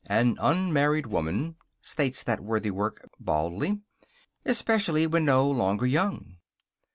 "An unmarried woman," states that worthy work, baldly, "especially when no longer young."